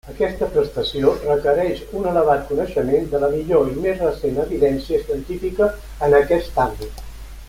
Aquesta prestació requereix un elevat coneixement de la millor i més recent evidència científica en aquest àmbit.